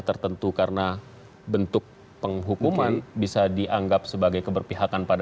terima kasih sekali bang roky riba ribauar